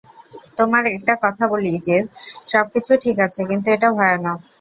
তোমাকে একটা কথা বলি জেস, সবকিছু ঠিক আছে, কিন্তু এটা ভয়ানক।